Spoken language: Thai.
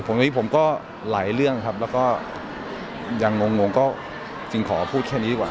อย่างนี้ผมก็หลายเรื่องครับแล้วก็ยังงงก็จึงขอพูดแค่นี้กว่า